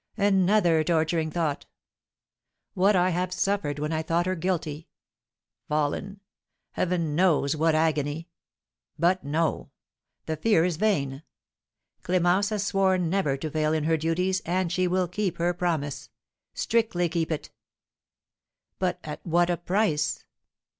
Another torturing thought! What I have suffered when I thought her guilty, fallen, Heaven knows what agony! But, no; the fear is vain! Clémence has sworn never to fail in her duties, and she will keep her promise, strictly keep it! But at what a price!